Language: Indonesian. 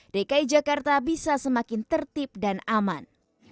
dki jakarta bisa semakin tertib dan aman